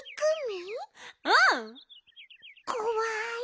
こわい